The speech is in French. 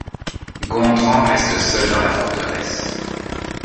Gontran reste seul dans la forteresse.